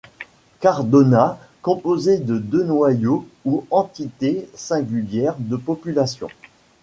Cardona composée de deux noyaux ou entités singulières de population.